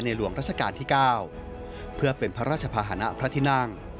หลวงราชการที่๙เพื่อเป็นพระราชภาษณะพระที่นั่ง